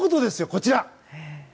こちら。